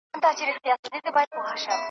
هم پخپله څاه کینو هم پکښي لوېږو .